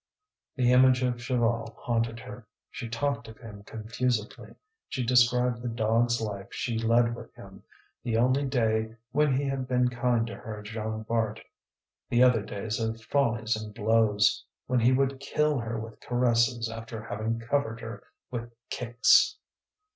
The image of Chaval haunted her, she talked of him confusedly, she described the dog's life she led with him, the only day when he had been kind to her at Jean Bart, the other days of follies and blows, when he would kill her with caresses after having covered her with kicks.